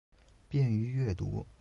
便于阅读